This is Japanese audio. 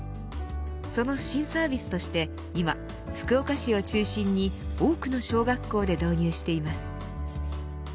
その新サービスとして今福岡市を中心に多くの小学校で導入しています。